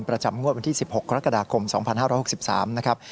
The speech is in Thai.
ประจำงวดวันที่๑๖กรกฎาคม๒๕๖๓นะครับ